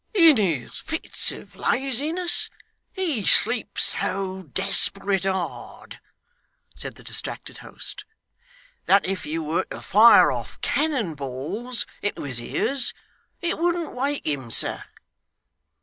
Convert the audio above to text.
'In his fits of laziness, he sleeps so desperate hard,' said the distracted host, 'that if you were to fire off cannon balls into his ears, it wouldn't wake him, sir.